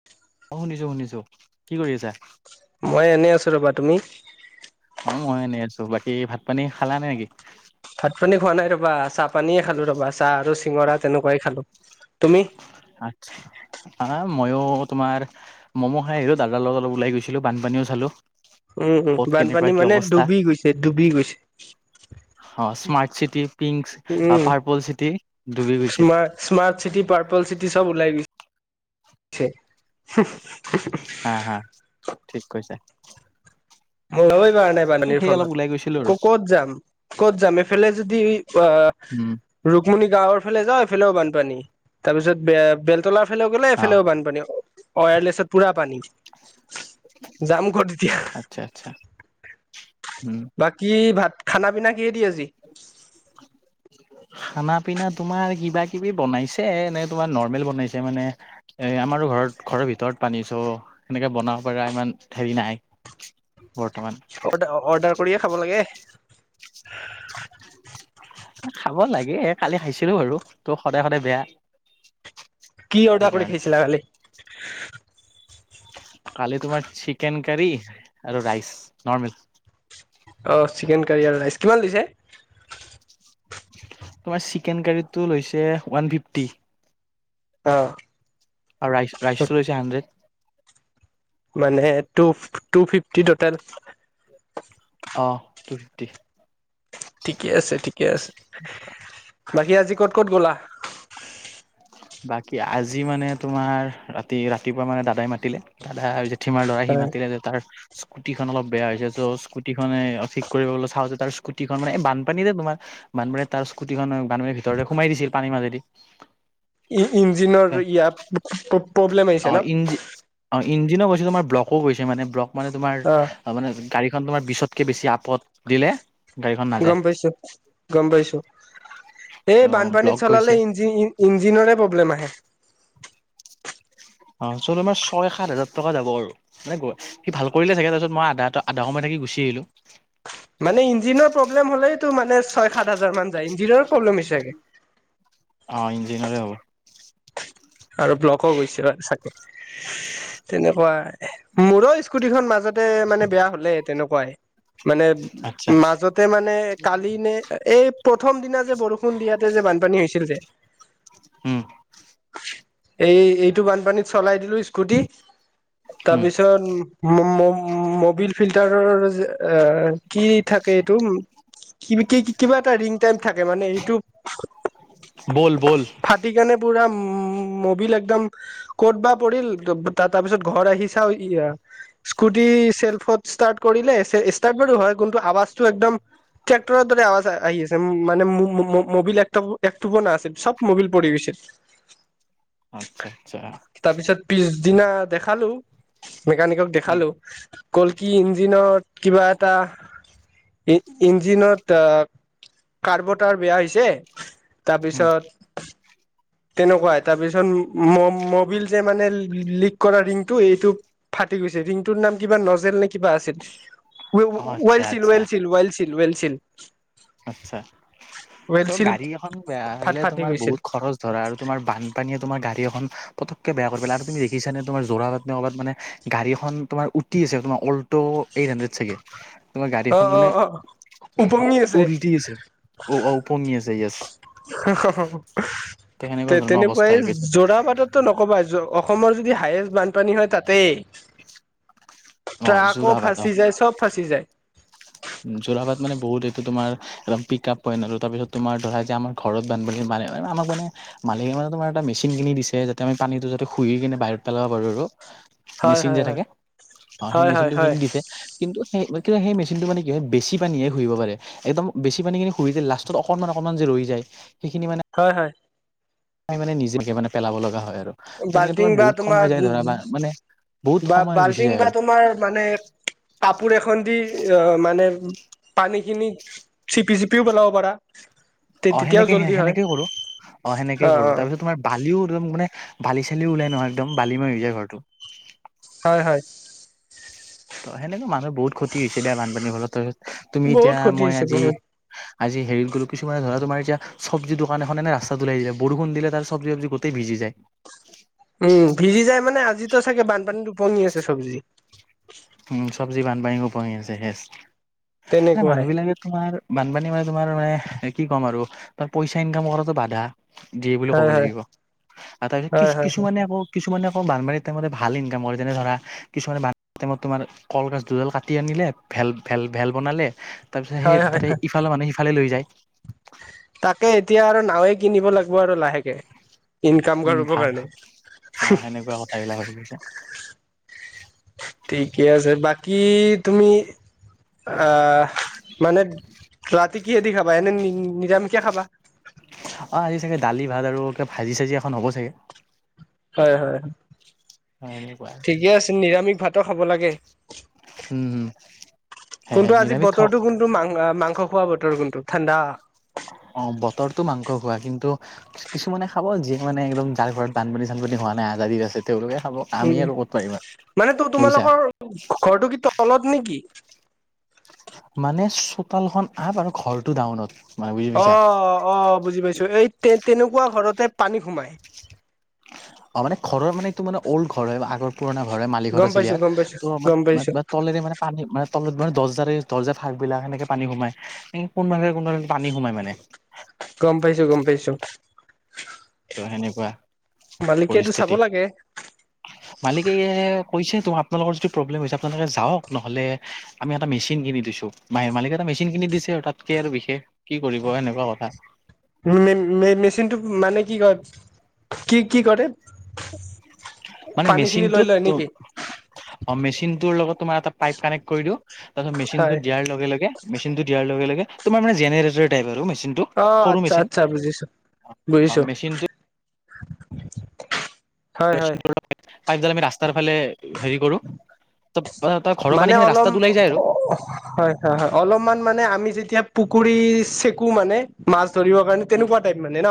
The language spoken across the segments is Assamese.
[inaudible] অ', শুনিছোঁ‌, শুনিছোঁ‌, কি কৰি আছা? মই এনেই আছোঁ ৰ'বা, তুমি? অ', মই এনেই আছোঁ‌ বাকী ভাত পানী খালা নে নেকি? ভাত পানী খোৱা নাই ৰবা চাহ পানীয়ে খালোঁ‌ ৰ'বা চাহ আৰু চিঙৰা তেনেকুৱাই খালোঁ‌, তুমি? আতছা। আহ মইয়ো তোমাৰ ম'ম' খাই আহিলোঁ দাদা লগত অলপ ওলাই গৈছিলোঁ‌ বানপানীও চালোঁ‌। উম উম, বানপানী মানে ডুবি গৈছে, ডুবি গৈছে। অ', স্মাৰ্ট চিটি পিংক, আ, পাৰ্পল চিটি ডুবি গৈছে। তোমাৰ স্মাৰ্ট চিটি, পাৰ্পল চিটি চব ওলাই গৈছে। হা হা, ঠিক কৈছা। মই ওলাবই পৰা নাই বানপানীৰ সেই অলপ ফলত। ওলাই গৈছিলো আৰু ক'ত যাম? ক'ত যাম? এইফালে যদি আ উম ৰুকমিণি গাঁৱৰ ফালে যাওঁ‌ এইফালেও বানপানী, তাৰপিছত বেলতলাৰ এইফালে গ'লেও অ এফালেও বানপানী, ৱায়াৰলেছত পুৰা পানী। যাম ক'ত এতিয়া? আচ্ছা আচ্ছা, উম। বাকী ভাত, খানা পিনা কিহে দি আজি? [inaudible] খানা পিনা তোমাৰ কিবা-কিবি বনাইছে নে তোমাৰ নৰ্মেল বনাইছে মানে? এ, আমাৰো ঘৰত, ঘৰৰ ভিতৰত পানী চ' সেনেকে বনাব পাৰ ইমান হেৰি নাই। বৰ্তমান। অৰ্ডা-অৰ্ডাৰ কৰিয়ে খাব লাগে। খাব লাগে, কালি খাইছিলোঁ‌ বাৰু ত' সদায় সদায় বেয়া। কি অৰ্ডাৰ কৰি সেইকাৰণে খেলিছিলা কালি? কালি তোমাৰ চিকেন কাৰী আৰু ৰাইচ নৰ্মেল। অ' চিকেন কাৰী আৰু ৰাইচ কিমান লৈছে? তোমাৰ চিকেন কাৰীটো লৈছে ওৱান ফিফটি। অ'। আৰু ৰাইচ ৰাইচ টো লৈছে হাণ্ড্ৰেড। মানে টু টু ফিফটি টোটেল। অ' টু ফিফটি। ঠিকে আছে, ঠিকে আছে। বাকী আজি ক'ত ক'ত গ'লা? বাকী আজি মানে তোমাৰ ৰাতি ৰাতিপুৱা মানে দাদাই মাতিলে, দাদা জেঠি মাৰ ল'ৰা সি মাতিলে যে তাৰ স্কুটিখন অলপ বেয়া হৈছে। চ' স্কুটিখনে ঠিক কৰিবলৈ চাওঁ যে তাৰ স্কুটিখন মানে বানপানী যে তোমাৰ বানপানী তাৰ স্কুটিখন বানপানীৰ ভিতৰলে সোমাই দিছিল পানী মাজেদি। ই ইঞ্জিনৰ ইয়াত প্ৰব্লেম অ আহিছে ন? ইঞ্জ অ' ইঞ্জিনো গৈছে তোমাৰ ব্লকো গৈছে মানে। ব্লক মানে তোমাৰ- অ মানে গাড়ীখন তোমাৰ বিশতকে বেছি আপত দিলে গাড়ীখন নাযায় গ'ম পাইছো, গ'ম পাইছো ত এই ব্লক বানপানীত চলালে গৈছে ইঞ্জিন ইঞ্জিনৰৰে প্ৰব্লেম আহে। অ' য'ত আমাৰ ছয় সাত হাজাৰ টকা যাব আৰু। মানে সি ভাল কৰিলে চাগে, তাৰপিছত মই আধা আধা সময় থাকি গুচি আহিলো। মানে ইঞ্জিনৰ প্ৰব্লেম হ'লেতো মানে ছয় সাত হাজাৰ মান যায়, ইঞ্জিনৰে প্ৰব্লেম হৈছে চাগে। অ' ইঞ্জিনিৰে হ'ব। আৰু ব্লকো গৈছে চাগে তেনেকুৱাই, মোৰো স্কুটি খন মাজত মানে বেয়া হ'লে তেনেকুৱাই, মানে আচ্ছা মাজতে মানে কালি নে এই প্ৰথম দিনা যে বৰষুণ দিয়াতে যে বানপানী হৈছিল যে। উম। এই এইটো বানপানীত চলাই দিলো স্কুটি, উম তাৰপিছত উ মবিল ফিল্টাৰৰ এ কি থাকে এইটো। কি কিবা এটা ৰিং টাইম থাকে মানে সেইটো ফাক ব'ল ব'ল ফাটি কেনে পুৰা উ মবিল একদম ক'ত বা পৰিল, তাৰ পিছত ঘৰ আহি চাওঁ ইয়া স্কুটি চেল্ফত ষ্টাৰ্ট কৰিলে ষ্টাৰ্ট বাৰু হয়, কিন্তু আৱাজটো একদম ট্ৰেক্টৰৰ দৰে আৱাজ আহি আছে, মানে মবিল একটোপা নাআছিল চব মবিল পৰি গৈছিল। আচ্ছা, আচ্ছা। তাৰপিছত পিছদিনা দেখালো মেকানিকক উম দেখালো। কলে কি ইঞ্জিনত কিবা এটা ই ইঞ্জিনত কাৰ্বুৰেটাৰ বেয়া হৈছে। উম তাৰপিছত তেনেকুৱাই, তাৰপিছত মবিল যে মানে লিক কৰা ৰিংটো এইটো ফাটি গৈছে। ৰিংটোৰ নাম কিবা নজেল নে কিবা আছিল। অ আচ্ছা ৱেলছিল, আচ্ছা ৱেলছিল, ৱেলছিল, ৱেলছিল। আচ্ছা। চ' ৱেলছিল গাড়ী এখন বেয়া ফাট হ'লে ফাটি তোমাৰ গৈছিল বহুত খৰচ ধৰা আৰু তোমাৰ বানপানীয়ে তোমাৰ গাড়ী এখন পতককে বেয়া কৰি পেলাই। আৰু তুমি দেখিছানে তোমাৰ জোৰাবাট নে ক'ৰবাত মানে গাড়ী এখন তোমাৰ উটি আহিছে। তোমাৰ অল ট' এইট হাণ্ড্ৰেড চাগে, তোমাৰ গাড়ী অ খন অ মানে অ উপঙি আছে উটি আছে। অ' উপঙি আছে ইয়েছ। তেনেকুৱা ধৰণৰ অৱস্থা হৈ গৈছে। ত' নক'বা য অসমৰ যদি হায়েষ্ট বানপানী হয় তাতেই। অ' ট্ৰাকো যোৰাবাট অ' ফাঁচি যায় চব ফাঁচি যায়। যোৰাবাট মানে বহুত এইটো তোমাৰ একদম পিক আপ পইণ্ট আৰু তাৰপিছত তোমাৰ ধৰা যে আমাৰ ঘৰত বানপানী সোমালে এ আমাক মানে মালিকে মানে তোমাৰ এটা মেচিন কিনি দিছে যাতে আমি পানীটো যাতে সুহি কেনে বাহিৰত পেলাব পাৰোঁ আৰু। হয় মেচিন হয় যে হয় থাকে, অ' সেই হয় হয় মেচিনটো হয় কিনি দিছে, কিন্তু সেই কিন্তু সেই মেচিনটো মানে কি হয় বেছি পানীহে সুহিব পাৰে একদম বেছি পানী খিনি সুহি দিলে লাষ্টত অকণমান, অকণমান যে ৰৈ যায়। সিখিনি মানে হয়, হয়। তাই মানে নিজে মানে পেলাব লগা হয় আৰু। এ তেনেকে তোমাৰ বাল্টিং বা বহুত সময় তোমাৰ যায় ধৰা বা [unintelligible] মানে বহুত বা সময় গুচি বাল্টিং যায় বা আৰু তোমাৰ মানে কাপোৰ এখন দি আহ মানে, পানীখিনি চিপি চিপিয়ো পেলাব পাৰা। অ' তেতিয়াও সেনেকে, জল্দি হয় সেনেকে কৰোঁ অ' সেনেকে অ অ কৰোঁ তাৰপিছত তোমাৰ বালিয়ো একদম মানে, বালি চালিয়ো উলাই নহয় একদম বালি মাৰ হৈ যায় ঘৰটো। হয়, হয়। ত' সেনেকে মানুহ বহুত ক্ষতি হৈছে দেই বানপানীৰ ফলত তই, তুমি এতিয়া বহুত ক্ষতি মই হৈছে আজি বহুত আজি হেৰীত গলোঁ কিছুমান ধৰা তোমাৰ এতিয়া চবজী দোকান এখন এনে ৰাস্তাত উলাই দিলে বৰষুণ দিলে তাত চবজি-তবজি গো টে ভিজি যায়। উম ভিজি যাই মানে আজিতো চাগে বানপানীত উপঙি আছে চব্জি। উম চব্জি বানপানীত উপাঙি আছে [unintelligible] এ তেনেকুৱাই মানুহবিলাকে তোমাৰ বানপানী মানে তোমাৰ মানে কি ক'ম আৰু তাক পইচা ইনকাম কৰাতো বাধা। দিয়ে বুলি ক'ব হয় হয় লাগিব, অ' তাৰপিছত হয় হয় কিছ-কিছ-কিছুমানে আকৌ কিছুমানে আকৌ বানপানীত থাকোঁতে ভাল ইনকাম কৰে যেনে ধৰা কিছুমানে বান টাইমত তোমাৰ কলগাছ দুডাল কাটি আনিলে ভেল-ভেল-ভেল বনালে তাৰপিছত হয় সেই হয় তাতে হয় ইফ তালে মানে সিফালে লৈ যায়। তাকে এতিয়া আৰু নাওঁয়ে কিনিব লাগিব আৰু লাহেকে, ইনকাম উম, কৰিবৰ ভাল কাৰণে। অ' সেনেকুৱা কথাবিলাক ভাবি গৈছা। ঠিকে আছে বাকী তুমি আহ, মানে, ৰাতি কিহেদি খাবা এনে নি-নিৰামিষকে খাবা? অ' আজি চাগে দালি, ভাত আৰু কিবা ভাজি-চাজি এখন হ'ব চাগে। হয়, হয়। হয় এনেকুৱাই। তে' নিৰামিষ ভাতো খাব লাগে। হুম, হুম হে হে নিৰামিষ খাওঁ। এইটো মাং-মাংস খোৱা বতৰ কোনটো, ঠাণ্ডা। অ' বতৰটো মাংস খোৱা, কিন্তু কিছুমানে খাব যিয়ে মানে একদম যাৰ ঘৰত বানপানী-চানপানী হোৱা নাই আজাদিত আছে। তেওঁলোকে খাব। আমি উম, আৰু ক'ত পাৰিম আৰু মানে ত' বুজিছা তোমালোকৰ ঘৰটো কি তলত নেকি? মানে চোতালখন আপ আৰু ঘৰটো ডাউনত। মানে বুজি পাইছা অ' অ' বুজি পাইছোঁ এই তে-তেনেকুৱা ঘৰতে পানী সোমাই। অ' মানে ঘৰৰ মানে এইটো মান অল্ড ঘৰ হয় আগৰ। পুৰণা ঘৰে মালিকৰ গম আছিলে পাইছো ইয়াত। গম পাইছো ত' গম মানে পাইছো [unintelligible] তলেৰে মানে পানী মানে তলত মানে দৰ্জাৰে দৰ্জাৰ ফাক বিলাক, সেনেকে পানী সোমাই। কোন [unintelligible] কোনোবা এদিন পানী সোমাই মানে। গম পাইছো, গম পাইছো। ত সেনেকুৱা মালিকেটো চাব পৰিস্থিতি লাগে। মালিকে কৈছে, তো আপোনালোকৰ যদি প্ৰব্লেম হৈছে আপোনালোকে যাওক। নহলে আমি এটা মেচিন কিনি দিছো। মাই মালিকে এটা মেচিন কিনি দিছে আৰু। তাতকে আৰু বিশেষ কি কৰিব এনেকুৱা কথা। [unintelligible] মেচিনটো মানে কি [unintelligible] কি কি কৰে? মানে পানী খিনি লৈ মেচিনটোত লয় নেকি অ মেচিনটোৰ লগত তোমাৰ এটা পাইপ কানেক্ কৰি দিওঁ। তাচত হয় মেচিনটোত দিয়াৰ লগে লগে, মেচিনটো দিয়াৰ লগে লগে তোমাৰ মানে জেনেৰেটৰ টাইপ আৰু মেচিনটো। অ সৰু আচ্ছা মেচিন আচ্ছা বুজিছো, বুজিছো। মেচিনটো হয় হয় [unintelligible] পাইপ দাল আমি ৰাস্তাৰ ফালে সেই কৰো, ত তই ঘৰৰ মানে পানী খিনি অলপ ৰাস্তাত ওলাই যায় আৰু। হয় হয় হয়। অলমান মানে আমি যেতিয়া পুখুৰী চেকো মানে, মাছ ধৰিব মান উম, তেনেকুৱা টাইপ মানে ন?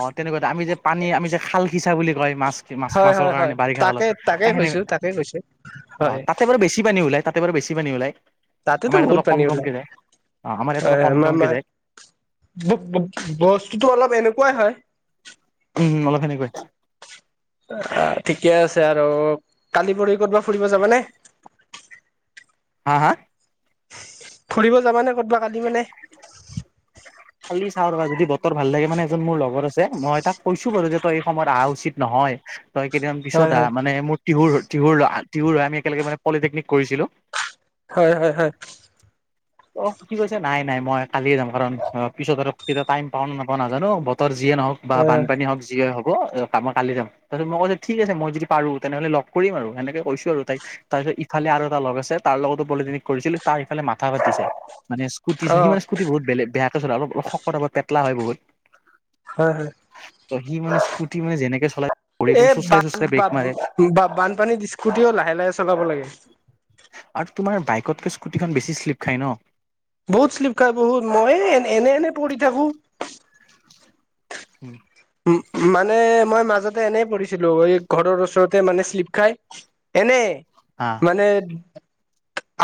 অ তেনেকুৱাটো। আমি যে পানী আমি যে খাল সিচা বুলি কয় মাছ। মাছ হয় মাছৰ হয় হয় কাৰণে বাৰিষা তাকে কালত। তাকে এখিনি কৈছো তাকে কৈছো অ হয় তাতে বাৰু বেছি পানী ওলাই। তাতে বাৰু বেছি পানী ওলাই। তাতেতো আমাৰ ইয়াত বহুত অলপ পানী কম ওলাই কমকে যায়। অ আমাৰ ইয়াত অলপ কম কমকে যায়। [unintelligible] বস্তুটোটো অলপ এনেকুৱাই হয়। উম উম অলপ সেনেকুৱাই। অ ঠিকে আছে আৰু। কালি পৰখি ক'তবা ফুৰিব যাবানে? হাঁ হাঁ! ফুৰিব যাবানে ক'তবা কালি মানে? কালি চাও ৰবা। যদি বতৰ ভাল লাগে মানে এজন মোৰ লগৰ আছে। মই তাক কৈছো বাৰু যে, তই এই সময়ত আহা উচিত নহয়। তই কেইদিনমান হয় পিছত হয় আহ। মানে মোৰ তিহুৰ তিহুৰ তিহুৰ আমি একেলগে মানে পলিটেকনিক কৰিছিলো। হয়ঁ হয়ঁ হয়ঁ। অঁ কি কৈছে? নাই নাই মই কালিয়ে যাম কাৰণ [unintelligible] পিছত আৰু কেতিয়া টাইম পাওঁ নাপাওঁ নাজানো, বতৰ যিয়ে নহওক বা অ বানপানী হওক যিয়ে হওক। [unintelligible] মই কালি যাম। তাপিছত মই কৈছো, ঠিক আছে মই যদি পাৰো তেনেহ'লে লগ কৰিম আৰু সেনেকে কৈছো আৰু তাইক। তাৰ ইফালে আৰু এটা লগ আছে, তাৰ লগতো পলিটনিক কৰিছিলো। তাৰ ইফালে মাথা ফাতিছে। মানে স্কুটি [unintelligible] সি মানে স্কুটি বহুত বেলে বেয়াকে চলাই। অলপ শকত আবত, পেতলা হয় বহুত। হয় হয় ত সি মানে স্কুটি মানে যেনেকে চলাই [unintelligible] চুচৰাই চুচুৰাই ব্ৰেক মাৰে। বা বানপানীত স্কুটিও লাহে লাহে চলাব লাগে। আৰু তোমাৰ বাইকতকে স্কুটিখন বেছি শ্লিপ খাই ন। বহুত শ্লিপ খাই বহুত, মই এ এনে এনে পঢ়ি থাকো। উম। উম মানে মই মাজতে এনেই পৰিছিলো, এই ঘৰৰ ওচৰতে মানে শ্লিপ খাই। এনেই। আ। মানে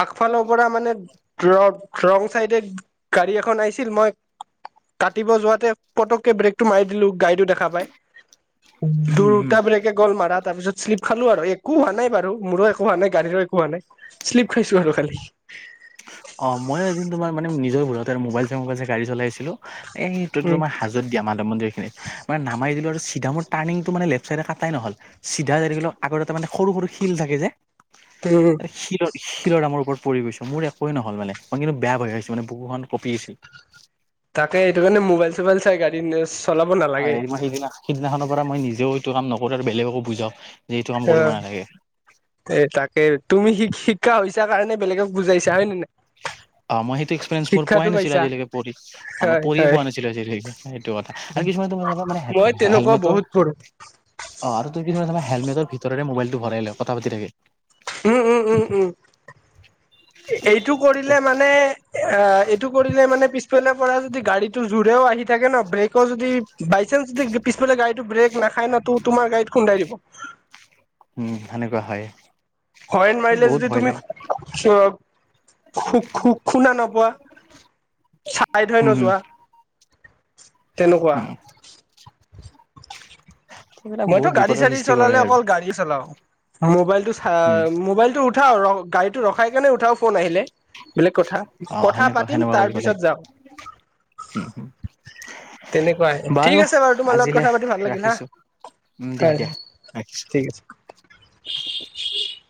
আগফাল পৰা মানে ৰ ৰং চাইডে গাড়ী এখন আহিছিল, মই কাটিব যোৱাতে পতককে ব্ৰেকটো মাৰি দিলো। গাড়ীটো দেখা পায়। উম হম দুৰটা বিলাকে গ'ল মাৰা তাৰ পিছত শ্লিপ খালো আৰু। একো হোৱা নাই বাৰু। মোৰো একো হোৱা, নাই গাড়ীৰো একো হোৱা নাই। শ্লিপ খাইছো আৰু খালি। অ, মইয়ো এদিন তোমাৰ মানে নিজৰ ঘৰতে মোবাইল চাই মোবাইল চাই গাড়ী চলাই আছিলো। এই তৈ উম তোমাৰ হাজত দিয়া মাধৱ মন্দিৰখিনিত, মানে নামাই দিলোঁ আৰু চিধা মোৰ টাৰ্ণিংটো মানে লেফ্ট ছাইডে কাটাই নহ'ল। চিধা যায় থাকিলোঁ, আগত এটা মানে সৰু সৰু শিল থাকে যে। [unintelligible] শিলৰ- শিলৰ দামৰ ওপৰত পৰি গৈছোঁ। মোৰ একোৱে নহ'ল মানে। মই কিন্তু বেয়া ভয় খাইছোঁ মানে বুকুখন কঁপি গেছি। তাকে। সেইটো কাণে মোবাইল চোবাইল চাই গাড়ী চলাব নালাগে। মই সেইদিনা সিদিনাখনৰ পৰা মই নিজেও এইটো কাম নকৰোঁ আৰু বেলেগকো বুজাওঁ যে এইটো কাম কৰিব নালাগে। এই তাকে। তুমি শিক-শিক্ষা হৈছা কাৰণে বেলেগক বুজাইছা হয় নে নাই? অ' মই সেইটো এক্সপিৰিয়েঞ্চফুল শিক্ষাটো পোৱাই নাছিল পাইছা আজিলৈকে পঢ়ি। অ' মই হয় পৰিয়ে হয় পোৱা নাছিলোঁ আজি হেই, সেইটো কথা আৰু কিছুমান তো [unintelligible] অলপ মানে মই হেট-হেলমেট তেনেকুৱা বহুত পৰোঁ। অ' আৰু তোৰ কি [unintelligible] হেলমেটৰ ভিতৰেৰে মোবাইলটো ভৰাই লয়, কথা পাতি থাকে। উম, উম, উম, উম। এইটো কৰিলে মানে এ, আ, এইটো কৰিলে মানে পিছফালৰ পৰা যদি গাড়ীটো জোৰেও আহি থাকে ন' ব্ৰেকো যদি বাইচান্ঞ্চ দি পিছফালে গাড়ীটো ব্ৰেক নাখায় ন' তো-তোমাৰ গাড়ীত খুন্দাই দিব। উম, সেনেকুৱা হয়। হয়েণ্ড মাইলে বহুত যদি ভয় তুমি লাগে খু [unintelligible] খুব শু-শুনা নোপোৱা, চাইড হৈ উম হুম নোযোৱা। তেনেকুৱা। উম এইবিলাক মইতো বহুত বিপদৰ গাড়ী-চাড়ী সৃষ্টি কৰে চলালে আৰু অকল গাড়ী চলাওঁ। ম'বাইলতটো চা উম মোবাইলটো উঠাও, ৰ' গাড়ীটো ৰখাই কেনে উঠাও ফোন আহিলে। বেলেগ কথা, অ কথা সেনেকুৱা পাতিম, সেনেকুৱা তাৰ কৰিব পিছত লাগে যাওঁ। তেনেকুৱাই, ঠিক আছে বাৰু তোমাৰ লগত আজিলে কথা পাতি ভাল লাগিল হা। ৰাখিছো উম দিয়া হয়, দিয়া ৰাখিছো ঠিক আছে।